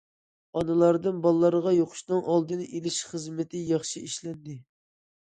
ئانىلاردىن بالىلارغا يۇقۇشنىڭ ئالدىنى ئېلىش خىزمىتى ياخشى ئىشلەندى.